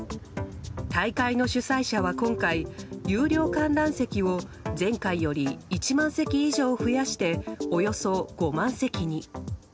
大会の主催者は今回有料観客席を前回より１万席以上増やしておよそ５万席に。